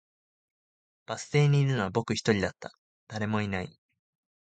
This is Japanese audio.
バス停にいるのは僕一人だった、誰もいない